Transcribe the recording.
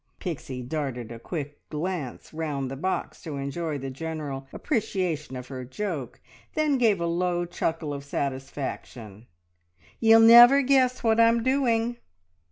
Pixie darted a quick glance round the box to enjoy the general appreciation of her joke, then gave a low chuckle of satisfaction. "Ye'll never guess what I'm doing!"